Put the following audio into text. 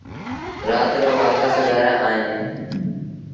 رآت رو وآپس گھر ائيٚݩدآ۔